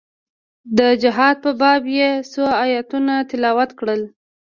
د جهاد په باب يې څو ايتونه تلاوت کړل.